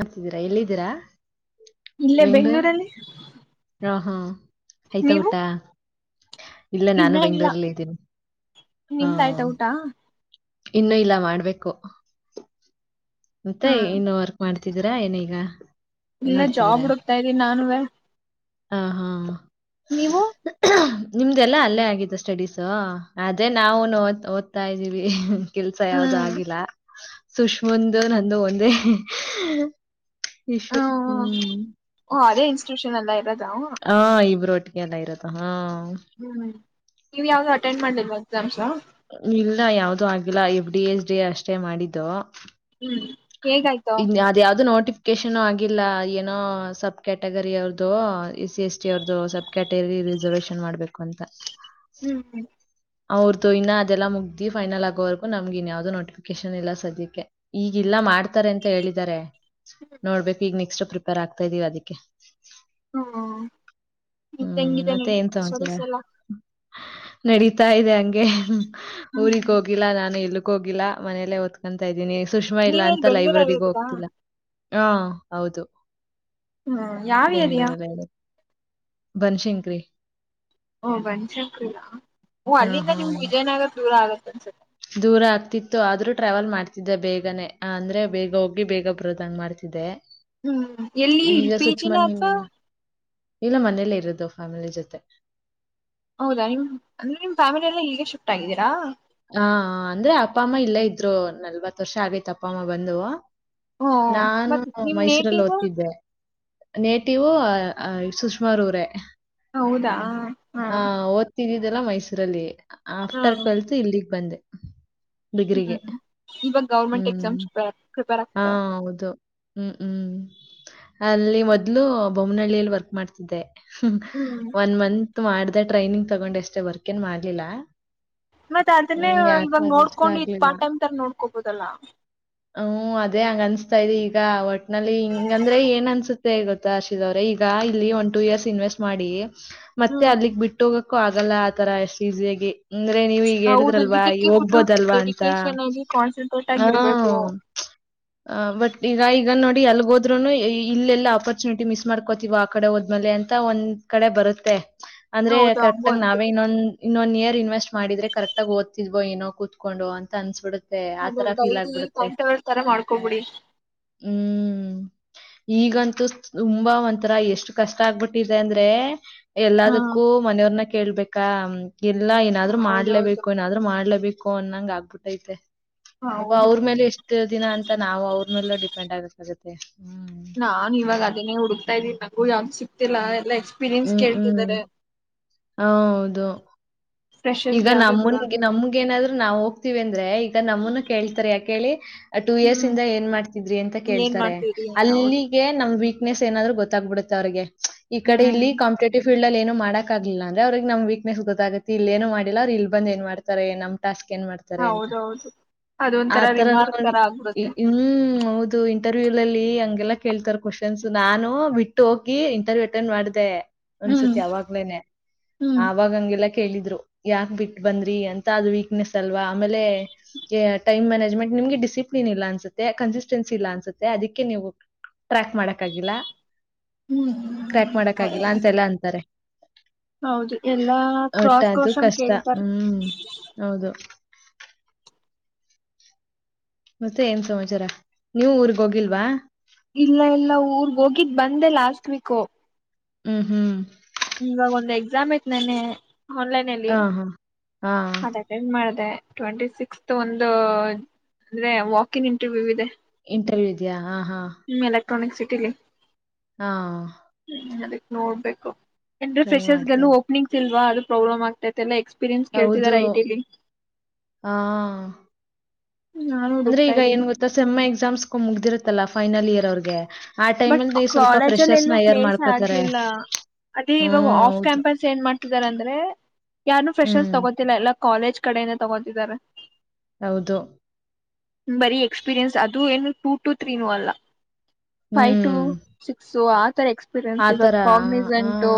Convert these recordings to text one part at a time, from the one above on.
ಹತಿದ್ದೀರಾ ಎಲ್ಲಿದ್ದೀರಾ ಇಲ್ಲೇ ಬೆಂಗಳೂರು ಬೆಂಗಗಳೂರಲ್ಲಿ ಹಾ ಹಾ ಆಯ್ತಾ ಊಟ ಇಲ್ಲ ಇನ್ನ ನಾನು ಇಲ್ಲ ಬೆಂಗಗಳೂರಲ್ಲಿ ಇದ್ದೀನಿ ಹಾ ನಿಮ್ದ ಆಯ್ತಾ ಊಟ ಇನ್ನುೂ ಇಲ್ಲ ಮಾಡ್ಬೇಕು ಮತ್ತೆ ಹಾ ಇನ್ನು ವರ್ಕ್ ಮಾಡ್ತಿದೀರಾ ಏನೀಗ ಏನ್ ಇಲ್ಲ ಜಾಬ್ ನೋಡ್ತಿದ್ದೀರಾ ಹುಡುಕ್ತಾ ಇದ್ದೀನಿ ನಾನುವ ಹಾ ಹಾ ನೀವು ನಿಮ್ದಲ್ಲಾ ಅಲ್ಲೇ ಆಗತ್ತು ಸ್ಟಡೀಸು ಅೇ ನಾವು ಓದ್ತಾ ಇದ್ದೀವಿ ಕೆಲ್ಸ ಯಾವ್ದು ಹ್ಮ್ ಆಗಿಲ್ಲ ಸುಷ್ಮಂದು ನಂದು ಒಂದೇ ಈಶ ಹ್ಮ ಹ್ಮ್ ಅದೇ ಇನ್ಸ್ಟಿಟ್ಯೂಷನ್ ಅಲ್ಲ ಇರೋದ ಹಾ ಇಬರು ಒಟ್ಟಿಗೆ ಎಲ್ಲ ಇರತ್ತ ಹಾ ಹ್ಮ್ ನೀವ್ ಯಾವ್ದು ಅಟೆಂಡ್ ಮಾಡ್ಲಿಲ್ವಾ ಎಕ್ಸಾಮ್ಸ್ ಇಲ್ಲ ಯಾವ್ದೂ ಆಗಿಲ್ಲ ಎಫ್ ಡಿ ಎಸ್ ಡಿ ಅಷ್ಟೇ ಮಾಡಿದ್ದು ಹ್ಮ್ ಹೇಗಾಯ್ತು ಇ ಅದ ಯಾವ್ದು ನೋಟಿ ಕೆಷನ ಆಗಿಲ್ಲ ಏನೋ ಸಬ್ ಕ್ಯಾಟಗರಿ ಅವ್ರದುು ಎಸ್ ಸಿ ಎಸ್ ಟಿ ಅವ್ರದುು ಸಬ್ ಕ್ಯಾಟಗರಿ ರಿಸರ್ವೇಷನ್ ಮಾಡ್ಬೇಕು ಅಂತ ಹ್ಮ್ ಹ್ಮ್ ಅವ್ರ್ದು ಇನ್ನ ಅದೆಲ್ಲ ಮುಗ್ದಿ ಫೈನಲ್ ಆಗೋವರೆಗು ನಮ್ಗ ಇನ್ಯಾವ್ದೋ ನೋಟಿಫಿಕೇಶನ್ ಎಲ್ಲ ಸದ್ಯಕ್ಕೆ ಈಗ ಎಲ್ಲ ಮಾಡ್ತಾರೆ ಅಂತ ಹೇಳಿದ್ದಾರೆ ನೋಡ್ಬೇಕು ಈಗ ನೆಕ್ಸ್ಟ್ ಪ್ರಿಪೇರ್ ಆಗ್ತಾ ಇದೀವಿ ಅದಕ್ಕೆ ಹ್ಮ್ ನಿಮ್ದ್ ಹ್ಮ್ ಹೆಂಗಿದೆ ಮತ್ತೆ ಏನ್ ಸ್ಟಡೀಸ್ ಸಮಚಾರ ಎಲ್ಲ ನಡೀತಾ ಇದೆ ಹಂಗೆ ಹ್ಮ್ ಊಗ್ ಹೋಗಿಲ್ಲ ನಾನ ಎಲ್ಲ ಹೋಗಿಲ್ಲಾ ಮನೇಲ್ಲೇ ಒದತ್ಕೊತಾ ಇದ್ದೀನಿ ಸುಷ್ಮಾ ಇಲ್ಲಾ ನೀವೇನ್ ಅಂತ ಬೆಂಗ್ಳೂರಲ್ಲಿ ಲೈಬ್ರರಿಗ ಇರೋದಾ ಹೋಗ್ತಿ ಹಾ ಹೌದು ಹ್ಮ ಯಾವ್ ಏರಿಯಾ ಬನ್ಶಂಕರಿ ಓ ಬಂದಸಕ್ಲ್ಲ ಓ ಹ್ಮ್ ಅಲ್ಲಿಂದ ನಿಮ್ಗೆ ಹ್ಮ್ ವಿಜಯನಗರ ದೂರ ಆಗತ್ತೆ ಅನ್ಸುತ್ತೆ ದೂರ ಆಗ್ತಿತ್ತು ಇ ಆದ್ರೂ ಟ್ರಾವೆಲ್ ಮಾಡ್ತಿದ್ದೆ ಬೇಗನೆ ಅಂದ್ರೆ ಬೇಗ ಹೋಗಿ ಬೇಗ ಬರೋದಂಗ ಮಾಡ್ತಿದ್ದೆ ಹ್ಮ್ ಎಲ್ಲಿ ಇ ಈಗ ಪಿಜಿನ ಸುಚ್ಮನೆ ಅಪ್ಪ ಇಲ್ಲ ಮನೇಲ್ಲ ಇರುದು ಫ್ಯಾಮಿಲಿ ಜೊತೆ ಹೌದಾ ನಿಮ್ ಅಂದ್ರೆ ನಿಮ್ ಫ್ಯಾಮಿಲಿ ಎಲ್ಲ ಹೀಗೆ ಶಿಫ್ಟ್ ಆಗಿದ್ದೀರಾ ಹಾ ಅಂದ್ರೆ ಅಪ್ಪ ಅಮ್ಮ ಇಲ್ಲೇ ಇದ್ರು ನಲ್ವತ್ ವರ್ಷ ಆಗೇತ್ ಅಪ್ಪ ಅಮ್ಮ ಬಂದು ಹ್ಮ ನಾನು ಮತ್ ನಿಮ್ ಮೈಸೂರಲ್ಲಿ ನೇಟಿವ್ ಓದ್ತಿದ್ದೆ ನೇಟವು ಸುಷ್ಮಾ ರೂರೇ ಹೌದಾ ಹಾ ಓದ್ತಿದ್ದಿದ್ದಲ್ಲ ಮೈಸೂರಲ್ಲಿ ಹಾ ಆಫ್ಟರ್ ಟ್ವೆಲ್ತ್ ಇಲ್ಲಿಗ್ ಬಂದೆ ಡಿಗ್ರಿಗೆ. ಹ್ಮ್ ಇವಾಗ ಗೌರ್ಮೆಂಟ್ ಹ್ಮ್. ಎಕ್ಸಾಮ್ಸ್ ಹಾ ಆಗ್ತ ಹೌದು ಹ್ಮ್ ಹ್ಮ್ ಅಲ್ಲಿ ಮೊದ್ಲು ಬೊಮ್ಮ್ನಹಳ್ಳಿಯಲ್ಲಿ ವರ್ಕ್ ಮಾಡ್ತಿದ್ದೆ ಹ್ಮ್ ಒನ್ ಮಂತ್ ಮಾಡ್ದ ಟ್ರೈನಿಂಗ್ ತಗೊಂಡ್ ಎಷ್ಟೇ ವರ್ಕ್ ಏನ್ ಮಾಡ್ಲಿಲ್ಲ ಮತ್ತೆ ಅದನ್ನೇ ನಂಗೆ ಇವಾಗ ಯಾಕೋ ಅದು ಇಷ್ಟ ನೋಡ್ಕೊಂಡು ಇ ಆಗ್ಲಿಲ್ಲ. ಪಾರ್ಟ್ ಟೈಮ್ ತರ ನೋಡ್ಕೋಬೋದಲ್ಲ ಹ್ಮ್ ಅದೇ ಹಂಗ ಅನ್ಸ್ತಾ ಇದೆ ಈಗ ಒಟ್ನಲ್ಲಿ ಹಿಂಗಂದ್ರೆ ಏನ್ ಅನ್ಸ ಮ ಗೊತ್ತಾ ಹರ್ಷಿದ ಅವ್ರೆ ಈಗ ಇಲ್ಲಿ ಒನ್ ಟೂ ಇಯರ್ಸ್ ಇನ್ವೆಸ್ಟ್ ಮಾಡಿ ಮತ್ತೆ ಹ್ಮ್ ಅಲ್ಲಿಗ್ ಬಿಟ್ಟು ಹೋಗ ಕ್ಕು ಆಗಲ್ಲ ಆ ತರ ಎಷ್ಟು ಈಸಿಯಾಗಿ ಅಂದ್ರೆ ನೀವ ಈಗ ಹೌದು ಹೇಳಿದ್ರಲ್ವಾ ಈ ಇದಕ್ಕೆ ಫುಲ್ ಹೋಗ್ಬೋದಲ್ವಾ ಅಂತ ಡೆಡಿಕೇಶನ್ ಆಗಿ ಕಾನ್ಸಂಟ್ರೇಟ್ ಹ್ಮ ಆಗಿರ್ಬೇಕು ಹ ಬಟ್ ಈ ಈಗ ನೋಡಿ ಎಲ್ಲಿಗ ಹೋದ್ರುನು ಇಲ್ಲೆಲ್ಲ ಅಪರ್ಚುನಿಟಿ ಮಿಸ್ ಮಾಡ್ಕೋತೀ ಆ ಕಡೆ ಹೋದ್ಮೇಲೆ ಅಂತ ಒಂದ್ ಕಡೆ ಬರುತ್ತೆ ಅಂದ್ರೆ ಹೌದು ಹಂಗು ಕರೆಕ್ಟ್ಗ ನಾವೇ ಅನ್ಸುತ್ತೆ ಇನ್ನೊಂದ ಇನ್ನೊಂದ ಇಯರ್ ಇನ್ವೆಸ್ಟ್ ಮಾಡಿದ್ರೆ ಕರೆಕ್ಟ ಆಗ ಓದ್ತಿದ್ವಿ ಏನೋ ಕೂತ್ಕೊಂಡು ಅಂತ ಅನ್ಸ್ಬಿಡುತ್ತೆ ಆ ಅದು ತರ ಫೀಲ್ ಡೈಲಿ ಆಗ್ಬಿಡುತ್ತೆ ಟೈಮ್ ಟೇಬಲ್ ತರ ಮಾಡ್ಕೊಬಿಡಿ ಹ್ಮ್ ಈಗಂತೂ ತುಂಬಾ ಒಂಥರ ಎಷ್ಟು ಕಷ್ಟ ಆಗ್ಬಿಟ್ಟಿದೆ ಅಂದ್ರೆ ಹಾ ಎಲ್ಲದಕ್ಕೂ ಮನೆಯವ್ರನ್ನ ಕೇಳ್ಬೇಕಾ ಎಲ್ಲ ಏನಾದ್ರು ಹೌದೌದು ಮಾಡ್ಲೇಬೇಕು ಏನಾದ್ರು ಮಾಡ್ಲೇಬೇಕು ಕೋ ಅನ್ನಂಗ ಆಗ್ಬಿಟ್ಟೈತೆ ಒಬ್ಬ ಹೌದು ಅವ್ರ ಮೇಲೆ ಎಷ್ಟ ದಿನ ಅಂತ ನಾವು ಅವ್ರ ಮೇಲ್ಲ ಪೆಂಡ್ ಆಗಕ್ಕಾಗುತ್ತೆ ಹ ನಾನ್ ಇವಾಗ ಅದನೇ ಹುಡುಕ್ತಾ ಇದ್ದೀ ನಗು ಯಾವ ಸಿಕ್ತಿಲ್ಲಾ ಎಲ್ಲಾ ಎಕ್ಸ್ಪೀರಿಯನ್ಸ್ ಹ್ಮ್ ಹ್ಮ್ ಕೇಳ್ತಿದ್ದಾರೆ ಹೌದು ಈಗ ಫ್ರೆಷರ್ಸ್ಗೆ ಯಾವ್ದಿಲ್ಲ ನಮ್ಮನ್ಗೆ ನಮಗ ಏನಾದ್ರು ನಾವವು ಹೋಗ್ತಿವಿ ಅಂತ ಈಗ ನಮ್ಮನು ಕೇಳ್ತರಿ ಯಾಕೇಳಿ ಟೂ ಇಯರ್ಸ್ ಹ್ಮ್ ಇಂದ ಏನ್ ಮಾಡ್ತಿದ್ರಿ ಅಂತ ಏನ್ ಕೇಳ್ತಾರೆ ಮಾಡ್ತೀರಿ ಹೌದು ಅಲ್ಲಿಗೆ ನಮ್ ವೀಕ್ ಕ್ನೆಸ್ ಏನ್ರೂ ಗೊತ್ತ್ಬ ಬಿಡುತ್ತೆ ಅವರಿಗೆ ಹ್ಮ್ ಕಿಕೆಟಿವ ಫೀಲ್ಡ್ಲ ಏನು ಮಾಡ ಆಕಿಲ್ಲಂದ್ರೆ ಅವ್ರಿಗೆ ನಮ ವೀಕ್ನೆಸ್ ಗೊತ್ತಾಗುತ್ತ ಇ ನು ಮಾಡಿಲ್ಲ ಅವರು ಇಲ್ಲಿ ಬಂದು ಏ ಮಾಡ್ತಾರೆ ನಮ್ಮ ಟಾಸ್ಕ್ ಏನ್ ಮಾಡ್ತಾರೆ ಅಂತ ಹೌದೌದು ಅದೊಂತರ ಆತರ ನ ರಿಮಾರ್ಕ್ ತರ ಆಗ್ಬಿಡುತ್ತೆ ಹೌದು ಇಂಟರ್ವ್ಯೂ ಅಲ್ಲಿ ಹಗೆಲ್ಲಾ ಕೇಳ್ತಾರ ಕ್ವಶನ್ಸ್ ನಾನು ಬಿಟ್ಟು ಹೋಗಿ ಇಂಟರ್ವ್ಯೂ ಅಟೆಂಡ್ ಮಾಡಿದೆ ಹ್ಮ್ ಒಂದ್ಸತಿ ಯಾವಾಗ್ಲೇನೆ ಹ್ಮ್ ಆಗ ಹಂಗಿಲ್ಲ ಕೇಳಿದ್ರು ಯಾಕೆ ಬಿಟ್ಟ ಬಂದ್ರಿ ಅಂತ ಅದು ವೀಕ್ನೆಸ್ ಅಲ್ವಾ ಆಮೇಲೆ ಟೈಮ್ ಮ್ಯಾನೇಜ್ಮೆಂಟ್ ನಿಮ್ಗೆ ಡಿಸಿಪ್ಲಿನ್ ಇಲ್ಲ ಅನ್ಸುತ್ತೆ ಕನ್ಸಿಸ್ಟೆನ್ಸಿ ಇಲ್ಲ ಅನ್ಸೆ ಅದಿಕ್ಕೆ ನೀವು ಟ್ರ್ಯಾಕ್ ಮಾಡಕ್ಗಿಲ್ಲ ಟ್ರ್ಯಾಕ್ ಹ್ಮ್ ಮಾಡಕಗಿಲ್ಲ ಅಂತೆಲ್ಲ ಅಂತಾರೆ ಹೌದು ಎಲ್ಲಾ ಒಟ್ ಕ್ರಾಸ್ ಅದು ಕೋಸಮ ಕಷ್ಟ. ಕೇಳಿದಾರ ಹ್ಮ್. ಹೌದು. ಮತ್ತೆ ಏನ್ ಸಮಾಚಾರ ನೀವ ಊರ್ಗ್ ಹೋಗಿಲ್ವಾ ಇಲ್ಲ ಇಲ್ಲ ಊರ್ ಹೋಗಿದ ಬಂದೆ ಲಾಸ್ಟ್ ವೀಕ್ ಹ್ಮ ಹ್ಮ್ ಇವಾಗ ಒಂದ್ ಎಕ್ಸಾಮ್ ಐತ್ ನನೆ ಆನ್ಲೈನ್ಲ್ಲಿ ಹಾಂ, ಹಾಂ. ಹಾಂ. ಅದಾದನ್ ಮಾಡಿದೆ ಟ್ವೆಂಟಿ ಸಿಕ್ಸ್ತ್ ಒಂದು ಅಂದ್ರೆ ವಾಕ ಇನ್ ಇಂಟರ್ವ್ಯೂ ಇದೆ ಇಂಟರ್ವ್ಯೂ ಇದೆಯಾ ಹಾ ಹಾ ಹ್ಮ್ ಎಲೆಕ್ಟ್ರಾನಿಕ್ ಸಿಟಿಗೆ ಹಾ ಹ್ಮ್ ಅದಕ್ ನೋಡ್ಬೇಕು ಎಂದ್ರೆ ಟ್ರೈ ಫ್ರೆಷರ್ಸ್ ಲ್ಲೂ ಮಾಡ್ತಾರೆ. ಓಪನಿಂಗ್ಸ್ ಇಲ್ವಾ ಅದ ಪ್ರಾಬ್ಲಮ್ ಆಗ್ತತೆ ಎಲ್ಲಾ ಎಕ್ಸ್ಪೀರಿಯನ್ಸ್ ಕೇಳ್ತಾರ ಹೌದು. ಐಟಿಲಿ ಆ! ಅಂದ್ರೆ ಈಗ ಏನ್ ಗೊತ್ತಾ ಸೆಮ್ಮ್ ಎಕ್ಸಾಮ್ಸ್ಕೊಂಡ್ ಮುಗ್ದಿರತ್ತಲ್ಲ ಫೈನಲ್ ಇಯರ್ ಅವ್ರಗೆ ಬಟ್ ಕಾಲೇಜಲ್ಲಿ ಎಲ್ಲೂ ಪ್ಲೇಸ್ ಮಾಡ್ಕೋತಾರೆ. ಆಗ್ಲಿಲ್ಲ ಅದೇ ಇವಾಗ ಹ್ಮ್, ಆಫ್ ಹೌದು. ಕ್ಯಾಂಪಸ್ ಏನ್ ಮಾಡ್ತಿದಾರ ಅಂದ್ರೆ ಯಾರು ಫ್ರೆಶರ್ಸ್ ಹ್ಮ್, ತಗೋತಿಲ್ಲ ಎಲ್ಲ ಕಾಲೇಜ್ ಕಡೆನೆೇ ತಗೋತಿದ್ದಾರೆ ಹೌದು. ಬರೀ ಎಕ್ಸ್ಪೀರಿಯನ್ಸ್ ಅದುೂ ಏನು ಟೂ ಟು ತ್ರೀನೂ ಅಲ್ಲ ಫೈವ್ ಟು ಹ್ಮ್. ಸಿಕ್ಸ್ ಆತರ ಎಕ್ಸ್ ಆ ಎಕ್ಸ್ಪೀರಿಯನ್ಸ್ ಇವಾಗ ಥರ. ಆ! ಕಾಗನಿಸೆಂಟು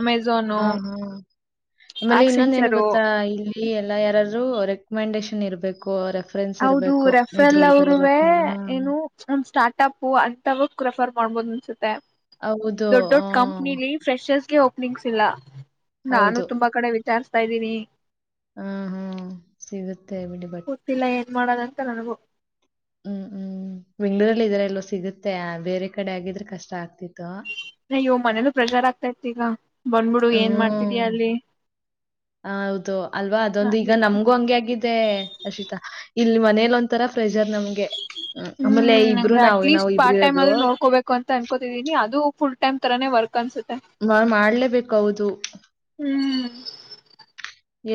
ಅಮೆಝಾನ ಆ! ಹಾ. ಆಮೇಲೆ ಇನ್ನೊಂದ ಏನ್ ಗೊತ್ತಾ ಇಲ್ಲಿ ಎಲ್ಲಾ ಯಾರಾದರು ರೆಕಮೆಂಡೇಶನ್ ಇರ್ಬೇಕು ರೆಫರೆನ್ಸ್ ಹೌದು ಇರ್ಬೇಕು ರೆಫೆಲ್ ಇದ್ರೊಳಗಡೆ ಅವರುೇ ಲೋಕಲ್‌ನ. ಏನು ಒ ಸ್ಟಾರ್ಟಪ್ ಅಂತವ ರೆಫರ್ ಮಾಡ್ಬೋುದು ಅನ್ಸುತ್ತೆ ಹೌದು. ದೊಡ್ಡ ದೊಡ್ಡ ಹ್ಮ್, ಕಂಪ್ನಿಲಿ ಫ್ರೆಷರ್ಸ್ಗೆ ಹೋಗ ನಿಂಗಸಿಲ್ಲ ನಾನು ತುಂಬಾ ಕಡೆ ವಿಚಾರ್ಸ್ ಇದ್ದೀನಿ ಹ ಹಾ ಸಿಗುತ್ತೆ ಬಿಡಿ ಬಟ್ ಮಾಡದಂತ ನನಗು ಹ್ಮ್ ಹ್ಮ್ ಬೆಂಗ್ಳೂರಲ್ಲಿ ಇದ್ರ ಎಲ್ಲೋ ಸಿಗುತ್ತೆ ಬೇರೆ ಕಡೆ ಆಗಿದ್ರೆ ಕಷ್ಟ ಆಗ್ತಿತ್ತು ನಯ್ಯೋ ಮನೇಲ್ಲ ಪ್ರೆಷರ್ ಆಗ್ತಾ ಇರ್ತಿಗ ನ್ಬಿಡು ಏನ್ ಮಾಡ್ತಿದಯಾ ಅಲ್ಲಿ ಹ ಹೌದು ಅಲ್ವಾ ಅದೊಂದು ಈಗ ಅದೇ. ನಮ್ಗೂ ಹಂಗೆ ಆಗಿದೆ ಅರ್ಷಿತಾ ಇಲ್ಲಿ ಮನೇಲಿ ಒಂಂತರ ಪ್ರೆಷರ್ ನಮ್ಗೆ ಹ್ಮ್. ಆಮೇಲೆ ಹ್ಮ್ ಇಬ್ರು ನಾವು ಅಟ್ಲೀಸ್ಟ್ ನಾವು ಇಬ್ರು ಪಾರ್ಟ್ ಟೈಮ್ ಇರೋದು. ಆದ್ರೂ ನೋಡ್ಕೋಬೇಕು ಅಂತ ಅನ್ಕೋತಿದೀನಿ ಅದು ಫುಲ್ ಟೈಮ್ ತರ ವರ್ಕ್ ಅನ್ಸುತ್ತೆ ನಾವ್ ಮಾಡ್ಲೇಬೇಕು ಹೌದು. ಹ್ಮ್ ಹ್ಮ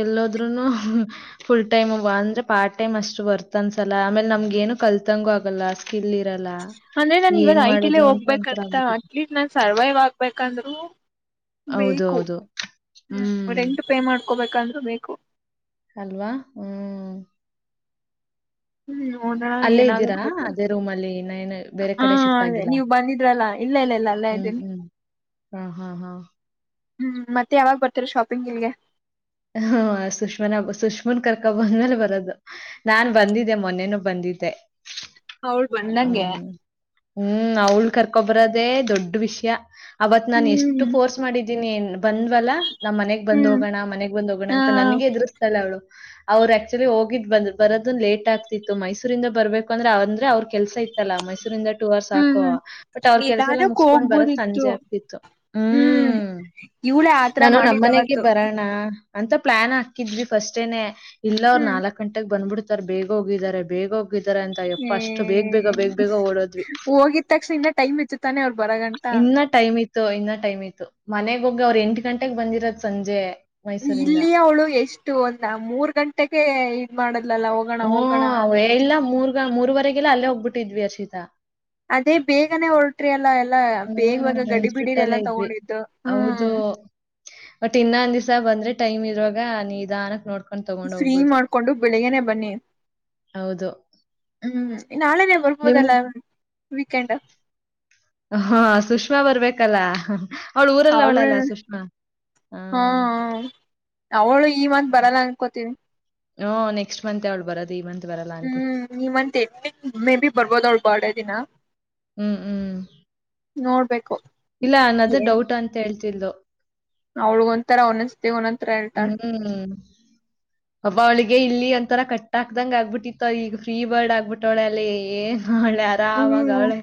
ಎಲ್ಲೋದನು ಫುಲ್ ಟೈಮ್ ಅಂದ್ರೆ ಪಾರ್ಟ್ ಟೈಮ್ ಅಷ್ಟು ಬರ್ತ ಅನ್ಸಲ ಆಮೇಲೆ ನಮ್ಗ ನು ಕಲ್ತಂಗು ಆಗಲ್ಲ ಸ್ಕಿಲ್ ಇ ಅಂದ್ರೆ ನಾನ ಇವಾಗ ಐ ಟಿಲೆ ಒಂಥರ ಹೋಗ್ಬೇಕಂತ ಆಗ್ಬಿಟ್ಟಿದೆ. ಅಟ್ಲೀಸ್ಟ್ ನಾನ್ ಸರ್ವೈವ್ ಆಗ್ಬೇಕಂದ್ರು ಬೇಕು ಹೌದೌದು. ಹ್ಮ ಹ್ಮ್. ರೆಂಟ್ ಪೇ ಮಾಡ್ಕೊಬೇಕಂದ್ರೆ ಬೇಕು ಅಲ್ವಾ ಹ್ಮ್ ಹ್ಮ್ ನೋದೋಣ ಅಲ್ಲೇ ಇದ್ದೀರಾ? ಏನಾಗದು ಗೊತ್ತಿಲ್ಲ ಅದೇ ರೂಮಲ್ಲಿ ಇನ್ನೇನು ಬೇರೆ ಹ ಕಡೆ ಶಿಫ್ಟ್ ಆಗಿಲ್ಲ? ನೀವ್ ಬಂದಿದ್ರಲ್ಲ ಇಲ್ಲ ಇಲ್ಲ ಅಲ್ಲ ಹ್ಮ್, ಇದ್ದೀನಿ ಹ್ಮ್. ಹಾ ಹಾ ಹಾ ಹ್ಮ್ ಮತ್ತೆ ಯಾವಾಗ ಬರ್ತಾರೆ ಶಾಪಿಂಗ್ ಇಲ್ಗೆ ಹ್ಮ ಸುಷ್ಮನಾ ಸುಷ್ಮನ್ ಕರ್ಕ ಬಂದ್ಮೇಲೆ ಬರೋದು ನಾನ್ ಬಂದಿದ್ದೆ ಮೊನ್ನನು ಬಂದಿದ್ದೆ ಅವಳು ಬಂದಂಗೆ ಹ್ಮ್ ಹ್ಮ್ ಅವಳ್ಕ ಬರದೆ ದುಡ್ಡು ವಿಷಯ ಅವತ್ತು ನಾನು ಹ್ಮ್ ಫೋರ್ಸ್ ಮಾಡಿದೀನಿ ಅಂದ್ರೆ ಬಂದ್ವಲ ನಾ ಮನೆಗೆ ಬಂದು ಹ್ಮ್ ಹೋಗೋಣ ನಾ ಮನೆಗೆ ಬಂದು ಹೋಗೋಣ ಹ ಅಂತ ನನಗೆ ದುಷ್ಟ ಅಲ್ವಾ ಅವರು ಹೆಚ್‍ಡಿ ಹೋಗಿದ್ ಬಂದು ಬರೋದು ಲೇಟಾಗ್ತಿತ್ತು ಮೈಸೂರಿಂದ ಬರಬೇಕಂದ್ರೆ ಅವರು ಕೇಳ್ತಿಲ್ಲ ಮಿಸ್ ಆತಲ್ಲ ಮೈಸೂರಿಂದ ಟೂ ಅವರ್ಸ್ ಹ್ಮ್ ಹಾಕುವ ಬಟ್ ಅವ್ರ ಕೆಲ್ಸ ಎಲ್ಲ ನಿಧಾನಕ್ಕೆ ಮುಗಸ್ಕೊಂಡ್ ಬರದ ಹೋಗ್ಬೋದಿತ್ತು ಸಂಜೆ ಆಗ್ತಿತ್ತು ಹ್ಮ್ ಇವಳೇ ಆತರ ನಾನು ನಮ್ಮ ಮನೆಗೆ ಮಾಡಿದವತ್ತು ಬರೋಣ ಅಂತ ಪ್ಲಾನ್ ಹಾಕಿದ್ವಿ ಫಸ್ಟ್ ಟೈಮ್ ಎಲ್ಲಾ ಅವರು ಹ್ಮ್ ನಾಲ್ಕು ಗಂಟೆಗೆ ಬಂದ್ಬಿಡ್ತಾರೆ ಸರ್ ಬೇಗ ಹೋಗಿದ್ದಾರೆ ಬೇಗ ಹೋಗಿದರಂತ ಯಪ್ಪಾ ಅಷ್ಟು ಬೇಗ ಹ್ಮ್ ಬೇಗ ಓಡೋದ್ವಿ ಹೋಗಿದ ತಕ್ಷಣ ಇನ್ನ ಟೈಮ್ ಇತ್ತು ತಾನೆ ಅವ್ರು ಬರಗಂಟ ಇನ್ನ ಟೈಮ್ ಇತ್ತು ಇನ್ನ ಟೈಮ್ ಇತ್ತು ಮನೆಗೆ ಹೋಗಿ ಅವರು ಎಂಟು ಗಂಟೆೆಗೆ ಬಂದಿರೋದು ಸಂಜೆ ಮೈಸೂರಿಂದ. ಇಲ್ಲಿ ಅವಳು ಎಷ್ಟು ಗೊತ್ತಾ ಮೂರ್ ಗಂಟೆಗೆ ಮಾಡಿದ್ಲಲ್ಲ ಹೋಗೋಣ ಹೋಗೋಣ ಅಂತ ಮೂರುಗಂಟೆಗೆ ಅಲ್ಲಿ ಹೋಗುತ್ತಿದ್ವಿ ಹರ್ಷಿತ ಅದೇ ಬೇಗನೆ ಹೊರಟ್ರಲ್ಲ ಎಲ್ಲ ಬೇಗವಾಗ ಹ್ಮ್ ಗಡಿಬಿಡಿ ಇನ್ಸ್ಟಿಟ್ಯೂಟ್ ಅಲ್ಲೇ ಎಲ್ಲಾ ಇದ್ವಿ. ತಂದಿದ್ದು ಇನ್ನೊಂದು ದಿಸ ಬಂದ್ರೆ ಟೈಮ್ ಇರುವಾಗ ನಿಧಾನಕ್ಕೆ ನೋಡೋಣ ಫ್ರೀ ಮಾಡ್ಕೊಂಡು ಬೆಳಗಾನೆ ಬೇಗ ಬನ್ನಿ ಹೌದು. ಹ್ಮ್ ನಾಳೆನೆ ನಿಮ್ ಬರಬಹುದಲ್ಲ ಹೇಳ್ರೋ ವೀಕೆಂಡ್ ಹಾ ಸುಷ್ಮಾ ಬರಬೇಕಲ್ಲ ಅವಳ ಹಾ ಅವಳ ಇವಾಗ್ ಬರಲ್ಲ ಅನ್ಕೊಂತೀನಿ ಹ್ ನೆಕ್ಸ್ಟ್ ಮಂತ್ ಅವಳು ಬರೋದು ಹೇಮಂತ್ ಹ್ಮ್ ಹೇಮಂತ್ ಎಂಡಿಂಗ್ ಮೇಬಿ ಬರಬಹುದು ಅವಳ ಬರ್ಡೆ ದಿನ ಹ್ಮ್ ಹ್ಮ್್ಮ ನೋಡಬೇಕು ಇಲ್ಲ ಅನ್ನದೇ ಡೌಟ್ ಅಂತ ಹೇಳ್ತಿದ್ಲು ಅವಳಗ ಒಂತರ ಒಂದೊಂದು ಸತಿ ಹ್ಮ್ ಅವ್ವ ಅವಳಿಗೆ ಇಲ್ಲಿ ಅಂತ ಒಂತರ ಕಟ್ಟಾದ ಬಿಟ್ಟಿತ್ತು ಈಗ ಫ್ರೀ ಬರ್ಡ್ ಆಗ್ಬಿಟ್ಟಳ ಅಲ್ಲಿ ಏ ಒಳ್ಳೆ ಆರಾಮಾಗಿ ಹ್ಮ್ ಅವಳೆ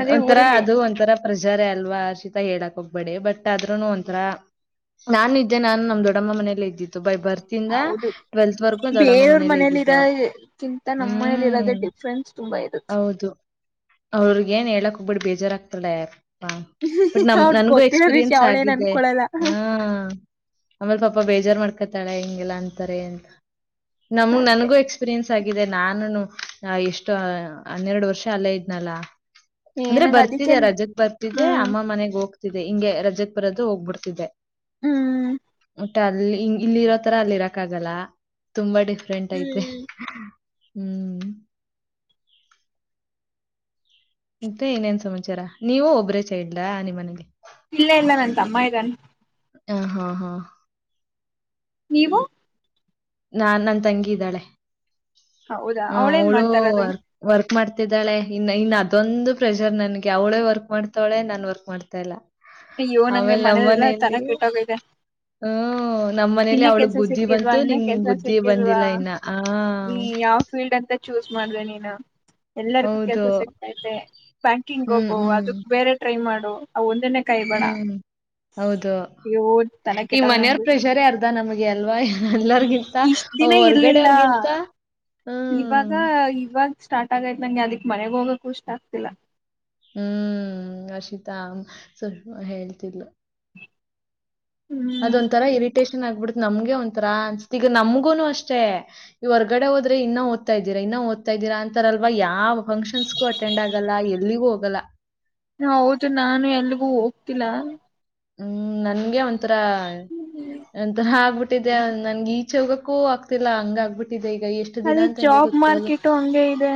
ಅದೇ ಒಂಂತರ ಊರಲ್ಲಿ ಅದು ಒಂಂತರ ಪರಿಸ ಜಾರ ಅಲ್ವಾ ಹರ್ಷಿತ ಹೇಳಕ್ ಹೋಗ್ಬೇಡ ಬಟ್ ಆದರೂ ಒಂಥರ ನಾನ ಇದೇ ನಾನು ನಮ್ಮ ದೊಡ್ಡಮ್ಮ ಮನೆಯಲ್ಲಿದ್ದಿದ್ದು ಬೈ ಬರ್ತಾ ಹೌದು ಬೇರೆಯವರ ಮನೇಲೆ ಮನೆಯಲ್ಲಿ ಇದ್ದಿದ್ದು ಹ್ಮ್ ಇರೋದೇ ಡಿಫರೆನ್ಸ್ ತುಂಬಾ ಇರುತ್ತೆ ಅವಳಿಗೆ ಹೋಗಬೇಡ ಬೇಜಾರಾಗ್ತಾಳೆ ಹಾ ಬಟ್ ನಮ ಅವ್ರ ನನ್ಗೂ ಗೊತ್ತಿರೋ ವಿಷಯ ಎಕ್ಸ್ಪೀರಿಯನ್ಸ್ ಅವಳೇನ್ ಆಗಿದೆ ಅನ್ಕೊಳಲ್ಲ ಹ ಆಮೇಲ್ ಪಾಪ ಬೇಜಾರ್ ಮಾಡ್ಕೊಂತಾಳೆ ಹಿಂಗೆಲ್ಲ ಅಂತಾರೆ ಅಂತ ನಮ್ಗ್ ಅಂತೆ ನನಗ ಎಸ್ಪೀರಿಯನ್ಸ್ ಆಗಿದೆ ನಾನೂನು ಎಷ್ಟು ಹನ್ನೆರಡು ವರ್ಷ ಅಲ್ಲೇ ಇದ್ನಲ್ಲ ಅಂದ್ರೆ ಏನಂಗ ಅದಕ್ಕೆ ಬರ್ತಿದೆ ರಜಕ್ ಬರ್ತಿದೆ ಹ್ಮ್ ಅಮ್ಮ ಮನೆಗೆ ಹೋಗ್ತ ಹಿಗೆ ರಜಾಕ್ ಬರೋದು ಹೋಗ್ಬಿಡ್ತಿದೆ ಹ್ಮ್ ಬಟ್ ಅಲ್ಲಿರತರ ಅಲ್ಲಿರ ಕಾಲ ತುಂಬಾ ಡಿಫರೆಂಟ್ ಐತಿ ಹ್ಮ್ ಹ್ಮ್ ಮತ್ತೆ ಇನೇನ್ ಸಮಾಚಾರ ನೀವು ಒಬ್ಬರೇ ಚರ್ಡ ನಿಮ್ಮನೆಯಲ್ಲಿ ಇಲ್ಲ ಇಲ್ಲ ನನ್ ತಮ್ಮ ಇದ್ದಾನ ಹ ಹಾ ಹಾ ನೀವು ನಾನ್ ನನ್ ತಂಗಿ ಇದ್ದಾಳೆ ಹೌದಾ ಅವಳೇನ್ ಅವಳ ಮಾಡ್ತಾರದು ವರ್ಕ್ ಮಾಡ್ತಿದ್ದಾಳೆ ಇನ್ನು ಇನ್ ಅದೊಂದು ಪ್ರೆಷರ್ ನನ್ಗೆ ಅವಳೇ ವರ್ಕ್ ಮಾಡ್ತಾವಳೆ ನಾನ್ ವರ್ಕ್ ಮಾಡ್ತಾ ಇಲ್ಲ ಅ್ಯವ ನಂಗೆ ಆಮೇಲೆ ಮನೆಲೆಲ್ಲ ನಮ್ಮನೇಲಿ ತಲೆ ಕೆಟ್ಟಾಗುತ್ತೆ ಹ್ಮ್ ನಮ್ಮನೇಲಿ ಇನ್ನ ಅವಳಿಗ್ ಕೆಲಸ ಬುದ್ಧಿ ಸಿಕ್ಕಿಲ್ವಾ ಬಂತು ಇನ್ನ ನಿಂಗ್ ಕೆಸ ಬುದ್ಧಿ ಸಿಕ್ಕಿಲ್ವಾ ಬಂದಿಲ್ಲ ಇನ್ನ ಆ ನೀ ಯಾವ್ ಫೀಲ್ಡ್ ಅಂತ ಚೂಸ್ ಮಾಡ್ದೆ ನೀನು ಎಲ್ಲರಿಗೂ ಕೆಲ್ಸ ಹೌದು. ಸಿಗ್ತಾತೆ ಬ್ಯಾಂಕಿಂಗ್ ಹ್ಮ್ ಹೋಗೋ ಹ್ಮ್ ಅದಕ್ ಬೇರೆ ಟ್ರೈ ಮಾಡು ಒಂದನೆ ಕೈ ಬಡಾ ಹ್ಮ್ ಹೌದು ಈ ಮನೆಯವರ್ ನಮ್ಗು ಪ್ರೆಷರೇ ಅರ್ಧ ನಮಗೆ ಅಲ್ವಾ ಎಲ್ಲರಿಗಿಂತ ದಿನೇ ಇರ್ಲಿಲ್ಲ ಹೊರ್ಗಡೆಯವ್ರಿಗಿಂತ ಇವಾಗ ಹ್ಮ್ ಇವಾಗ ಸ್ಟಾರ್ಟ್ ಆಗೈತ್ ನಂಗೆ ಅದಕ್ಕೆ ಮನೆಗ್ ಹೋಗಕ ಇಷ್ಟ ಆಗ್ತಿಲ್ಲ ಹ್ಮ್ ಆಶಿತಾ ಹೇಳ್ತಿದ್ಲು ಹ್ಮ್ ಅದೊಂಂತರ ಇರಿಟೇಷನ್ ಆಗ್ಬಿಡತ್ ನಮ್ಗೆ ಒಂಥರ ಅನ್ಸತ್ ಈಗ ನಮ್ಗೂನು ಅಷ್ಟೇ ಈ ಹೊರ್ಗಡೆ ಹೋದ್ರೆ ಇನ್ನ ದ್ತಾ್ದೀ ಇನ್ನ ದ್ತಾತೀಾ ಅಂತಾರಲ್ ಯಾವ ಫಂಕ್ಷನ್ಸ್ಗೂ ಅಟೆಂಡ್ ಆಗಲ್ಲ ಎಲ್ಲಿಗೂ ಹೋಗಲ್ಲ ಅಲ ಹೌದು ನಾನು ಎಲ್ಗೂ ಹೋಗ್ತಿಲ್ಲ ಹ್ಮ್ ನನ್ಗೆ ಒಂಥರ ಒಂಥರ ಆಗ್ಬಿಟ್ಟಿದ್ದೆ ನನ್ಗೆ ಈ ಚಗಕ್ಕೂ ಆಗ್ತಿಲ್ಲಾ ಹಂಗ ಆಗ್ಬಿಟ್ಟಿದೆ ಈಗ ಎಷ್ಟು ದಿನ ಅಲ್ಲಿ ಅಂತ ಹಂಗೆ ಜಾಬ್ ಕುತ್ಕೊಳ್ಳೋದು ಮಾರ್ಕೆಟ್ು ಹಂಗೆ ಇದೆ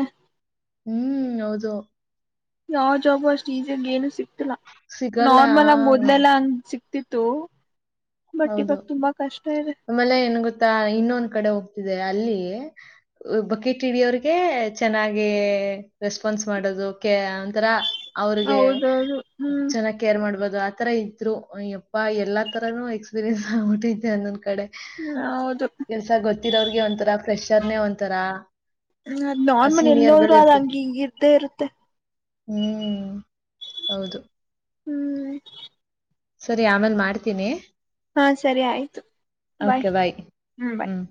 ಹ್ಮ್ ಹೌದು ಯಾವ ಜಾಬು ಅಷ್ಟ್ ಈಜಿಯಾಗಿ ಏನು ಸಿಕ್ತಲ್ಲ ಸಿಗಲ್ಲ ನಾರ್ಮಲ್ ಆಗಿ ಮೊದಲೆಲ್ಲಾ ಅಂಗ ಸಿಕ್ತ ಇತ್ತುು ಹೌದು ಆಮೇಲೆ ಏನ್ ಗೊತ್ತಾ ಇನ್ನೊಂದ್ ಕಡೆ ಹೋಗ್ತ ಇದೆ ಅಲ್ಲಿ ಬಕೀಟ್ ಇಡಿಯ ಅವ್ರಿಗೆ ಚೆನ್ನಾಗಿ ರೆಸ್ಪಾನ್ಸ್ ಮಾಡದು ಒಂತರ ಅವ್ರಿಗೆ ಹೌದೌದು ಹ್ಮ್ ಚೆನ್ನಾಗಿ್ ಕೇರ್ ಮಾಡ್ಬದು ಆತರ ಇದ್ರುಯಪ್ಪ ಎಲ್ಲಾ ತರನುೂ ಎಕ್ಸ್ಪೀರಿಯನ್ಸ್ ಆಗ್ಬಿಟ್ಟಿದೆ ಅಂದೊಂದ ಕಡೆ ಹೌದು ಕೆಲ್ಸ ಗೊತ್ತಿರೋ್ರಗೆ ಒಂಥರ ಪ್ರಫ್ರೆಷರ್ನೆ ಒಂತರಾ ಹ್ ನಾರ್ಮನ ಎಲ್ಲಿ ಹೋದ್ೂ ಅದ್ ಹಂಗ ಹಿಂಗ ಇದ್ದೇ ಇರುತ್ತೆ ಹ್ಮ್ ಹೌದು ಹ್ಮ್ ಸರಿ ಆಮೇಲ್ ಮಾಡ್ತೀನಿ ಹಾ ಸರಿ ಆಯ್ತು ಬಾಯ್ ಹ್ಮ ಬಾಯ್ ಹ್ಮ್